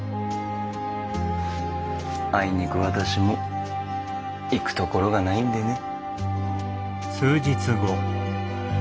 あいにく私も行く所がないんでね。